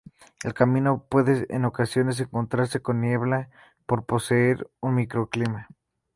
El camino puede en ocasiones encontrarse con niebla por poseer un microclima.